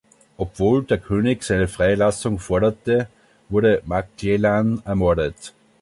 Obwohl der König seine Freilassung forderte, wurde Maclellan ermordet.